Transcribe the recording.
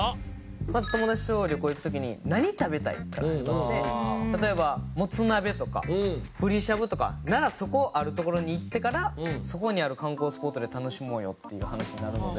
まず友達と旅行行く時に何食べたい？から始まって例えばもつ鍋とかぶりしゃぶとかならそこある所に行ってからそこにある観光スポットで楽しもうよっていう話になるので。